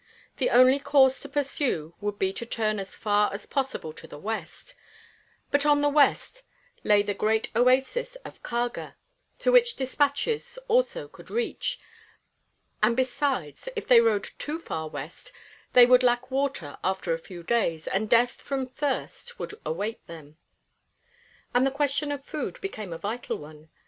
The only course to pursue would be to turn as far as possible to the west; but on the west lay the great oasis of Kharga, to which despatches also could reach, and besides, if they rode too far west they would lack water after a few days, and death from thirst would await them. And the question of food became a vital one.